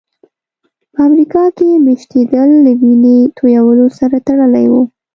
په امریکا کې مېشتېدل له وینې تویولو سره تړلي وو.